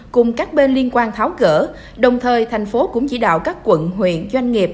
cùng các bên liên quan tháo gỡ đồng thời thành phố cũng chỉ đạo các quận huyện doanh nghiệp